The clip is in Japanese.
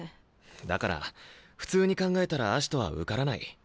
だから普通に考えたら葦人は受からない。